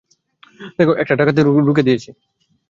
দেখো, একটা ডাকাতি রুখে দিয়েছি।